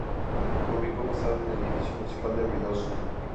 Se ubico más tarde en el Edificio Municipal de Ruidoso.